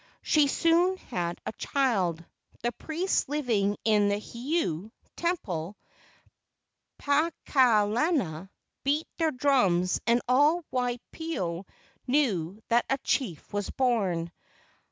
She soon had a child. The priests living in the heiau (temple), Pakaalana, beat their drums, and all Waipio knew that a chief was born.